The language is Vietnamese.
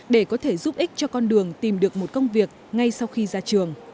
để có thể giúp ích cho con đường tìm được một công việc ngay sau khi ra trường